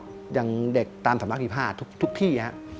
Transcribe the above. ทั้งนอกอย่างเด็กตามสำหรับอิพธิภาษณ์ทุกที่